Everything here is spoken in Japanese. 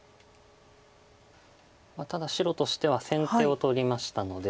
ただ白としては先手を取りましたので。